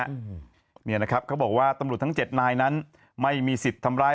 อืมเนี่ยนะครับเขาบอกว่าตำรวจทั้งเจ็ดนายนั้นไม่มีสิทธิ์ทำร้าย